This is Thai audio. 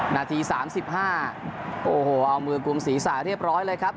นาทีสามสิบห้าโอ้โหเอามือกลุ่มศรีษาเรียบร้อยเลยครับ